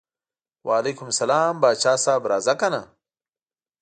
وعلیکم السلام پاچا صاحب راځه کنه.